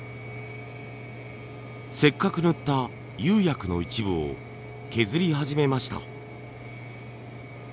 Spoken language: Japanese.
せっかく塗った釉薬の一部を削り始めました。